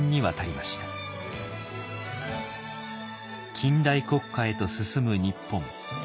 近代国家へと進む日本。